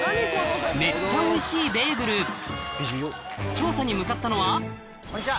調査に向かったのはこんにちは